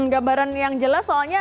gambaran yang jelas soalnya